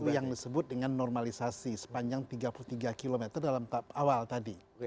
yang disebut dengan normalisasi sepanjang tiga puluh tiga km dalam awal tadi